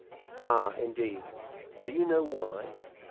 "Ah! indeed! Do you know why?"